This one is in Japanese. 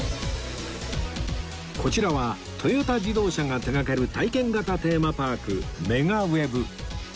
こちらはトヨタ自動車が手掛ける体験型テーマパーク ＭＥＧＡＷＥＢ